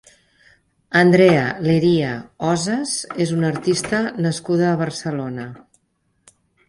Andrea Lería Oses és una artista nascuda a Barcelona.